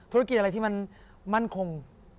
ธุรกิจอะไรที่มันมั่นคง